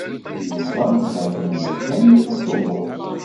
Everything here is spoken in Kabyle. Yuba ha-t-an yakan deg uṭubus.